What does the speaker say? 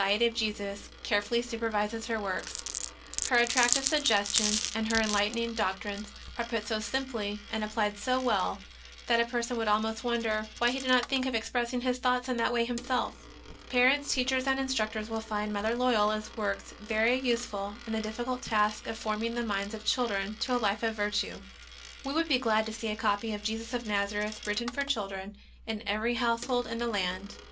J., carefully supervises her works. Her attractive suggestions, and her enlightening doctrines are put so simply, and applied so well, that a person w^ould almost FOEEWOEIX xiii wonder why he did not think of expressing his thoughts in that way himself. Parents, teachers and instructors will find Mother Loyola's works very useful in the difficult task of form ing the minds of children to a life of virtue. We would be glad to see a copy of " Jesus of Nazareth, Written for Children," in every household in the land.